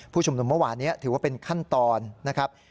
ชุมนุมเมื่อวานนี้ถือว่าเป็นขั้นตอนนะครับ